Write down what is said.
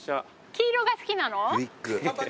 黄色が好きなの？